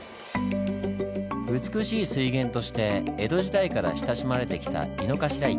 美しい水源として江戸時代から親しまれてきた井の頭池。